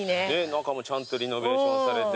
中もちゃんとリノベーションされて。